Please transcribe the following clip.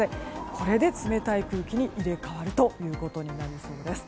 これで冷たい空気に入れ替わることになりそうです。